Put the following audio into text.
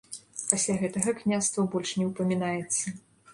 Пасля гэтага княства больш не ўпамінаецца.